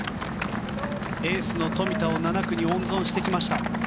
エースの富田を７区に温存してきました。